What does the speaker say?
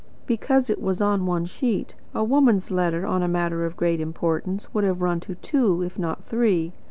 "Because it was on one sheet. A woman's letter on a matter of great importance would have run to two, if not three.